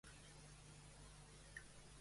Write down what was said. Qui va ser Melamp?